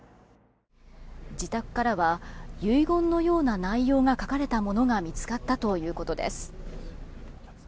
自宅からは遺言のような内容が書かれたものが見つかったということです。